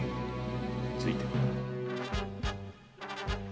ついては。